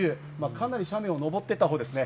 かなり斜面を登っていたほうですね。